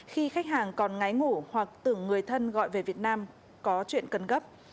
khi khách hàng còn ngái ngủ hoặc từ người thân gọi về việt nam có chuyện cân gấp